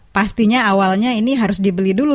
pastinya awalnya ini harus dibeli dulu